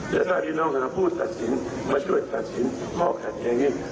แต่ถ้าพี่น้องหาผู้ตัดสินมาช่วยตัดสินข้อขัดแย้งนี้